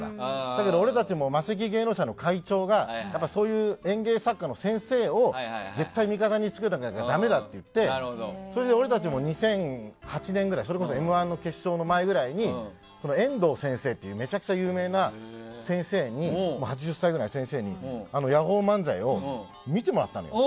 だけど俺たちもマセキ芸能社の会長がそういう演芸作家の先生を絶対に味方につけておかないとダメだって言ってそれで俺たちも２００８年ぐらい「Ｍ‐１」の決勝前ぐらいにエンドウ先生っていうめちゃくちゃ有名な８０歳くらいの先生にヤホー漫才を見てもらったのよ。